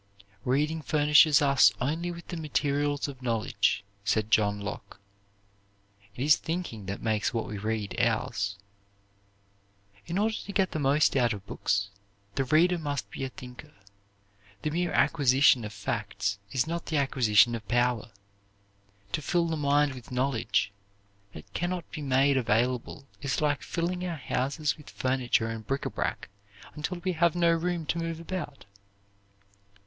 "Reading furnishes us only with the materials of knowledge," said John Locke; "it is thinking that makes what we read ours." In order to get the most out of books, the reader must be a thinker. The mere acquisition of facts is not the acquisition of power. To fill the mind with knowledge that can not be made available is like filling our houses with furniture and bric à brac until we have no room to move about.